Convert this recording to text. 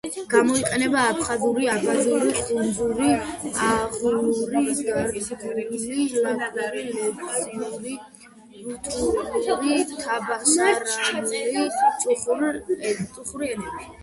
გამოიყენება აფხაზურ, აბაზური, ხუნძური, აღულური, დარგუული, ლაკური, ლეზგიური, რუთულური, თაბასარანული, წახური ენებში.